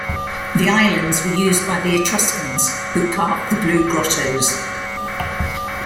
The islands were used by the Etruscans who carved the "Blue Grottos".